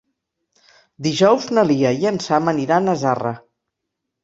Dijous na Lia i en Sam aniran a Zarra.